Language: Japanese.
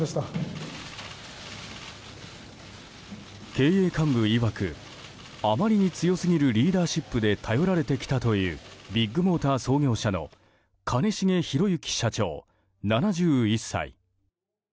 経営幹部いわく、あまりに強すぎるリーダーシップで頼られてきたというビッグモーター創業者の兼重宏行社長、７１歳。